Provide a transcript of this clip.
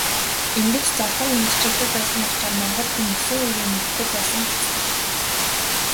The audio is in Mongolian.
Ингэж золгон мэндчилдэг байсны ачаар монгол хүн есөн үеэ мэддэг байсан гэлцдэг.